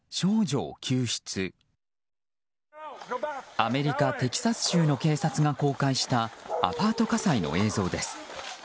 アメリカ・テキサス州の警察が公開したアパート火災の映像です。